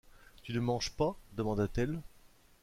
Tu ne manges pas ? demanda-t-elle